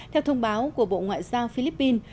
theo thông báo của bộ ngoại giao philippines